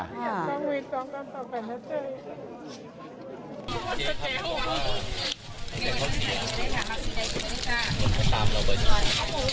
อย่าต้องรู้จังกันต่อไปนะเจ๊